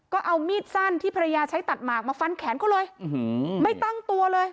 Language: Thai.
ก็เอามีดสั้นที่ภรรยาใช้ตัดหมากมาฟันแขนเขาเลยไม่ตั้งตัวเลย